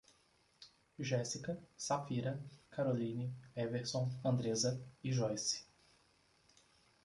Jéssica, Safira, Caroline, Everson, Andreza e Joyce